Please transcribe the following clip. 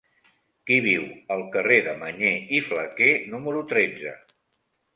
Qui viu al carrer de Mañé i Flaquer número tretze?